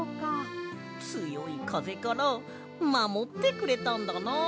つよいかぜからまもってくれたんだな。